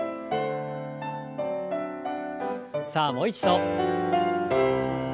さあもう一度。